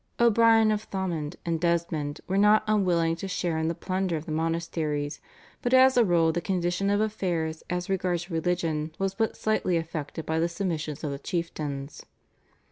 " O'Brien of Thomond and Desmond were not unwilling to share in the plunder of the monasteries, but as a rule the condition of affairs as regards religion was but slightly affected by the submissions of the chieftains.